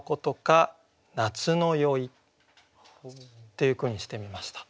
っていう句にしてみました。